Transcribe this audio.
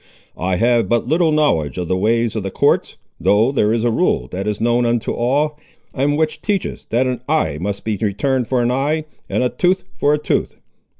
I have but little knowledge of the ways of the courts, though there is a rule that is known unto all, and which teaches, that an 'eye must be returned for an eye,' and a 'tooth for a tooth.